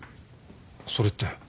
それって。